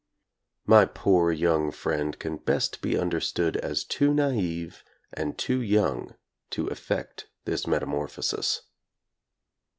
My poor young friend can best be understood as too naive and too young to effect this meta morphosis.